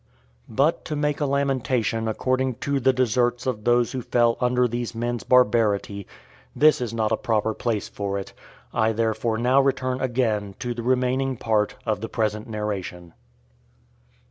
But to make a lamentation according to the deserts of those who fell under these men's barbarity, this is not a proper place for it; I therefore now return again to the remaining part of the present narration.